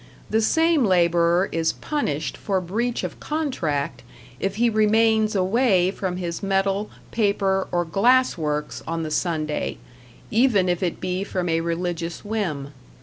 The same labourer is punished for breach of contract if he remains away from his metal, paper or glass works on the Sunday, even if it be from a religious whim.